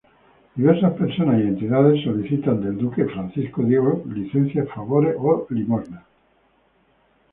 Diversas personas y entidades solicitan del duque Francisco Diego licencias, favores o limosnas.